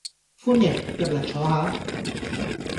歡迎，入嚟坐下